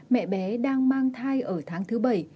mẹ bé đang mang thai ở tháng thứ bảy